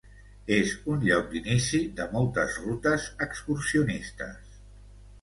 És un lloc d'inici de moltes rutes excursionistes.